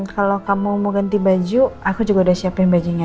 kalau kamu mau ganti baju aku juga udah siapin bajunya